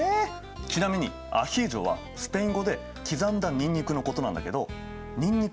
ちなみに「アヒージョ」はスペイン語で「刻んだにんにく」のことなんだけどにんにく